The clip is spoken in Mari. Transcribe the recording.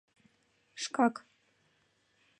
— Шкак...